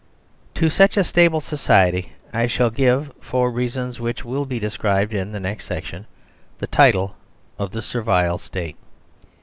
To such a stable society I shall give, for reasons which will be described in the next section, the title of THE SERVILE STATE.